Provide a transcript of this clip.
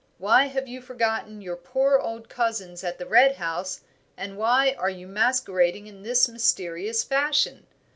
Why have you forgotten your poor old cousins at the Red House, and why are you masquerading in this mysterious fashion?